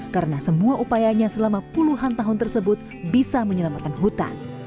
karena semua upayanya selama puluhan tahun tersebut bisa menyelamatkan hutan